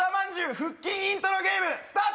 腹筋イントロゲームスタート！